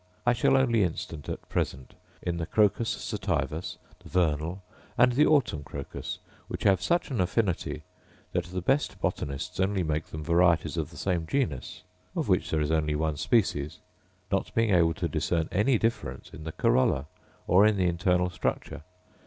I shall only instance at present in the crocus sativus, the vernal, and the autumnal crocus, which have such an affinity, that the best botanists only make them varieties of the same genus, of which there is only one species; not being able to discern any difference in the corolla, or in the internal structure.